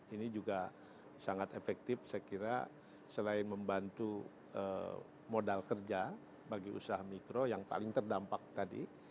ini juga sangat efektif saya kira selain membantu modal kerja bagi usaha mikro yang paling terdampak tadi